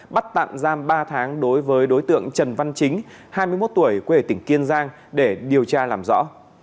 bắt tạm giam ba tháng đối với đối tượng trần văn chính hai mươi một tuổi quê tỉnh kiên giang để điều tra làm rõ